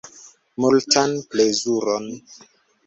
Multan plezuron!